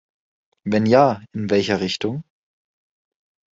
Wenn ja, in welcher Richtung?